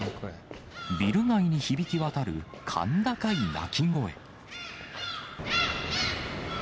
ビル街に響き渡る甲高い鳴き声。